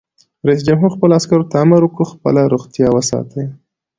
رئیس جمهور خپلو عسکرو ته امر وکړ؛ خپله روغتیا وساتئ!